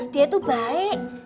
dia tuh baik